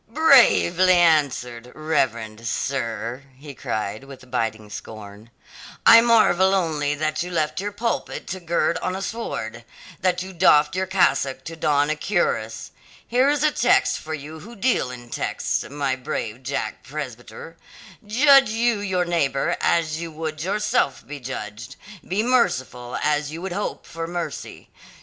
"Bravely answered, reverend sir," he cried with biting scorn. "I marvel only that you left your pulpit to gird on a sword; that you doffed your cassock to don a cuirass. Here is a text for you who deal in texts, my brave Jack Presbyter 'Judge you your neighbour as you would yourself be judged; be merciful as you would hope for mercy.'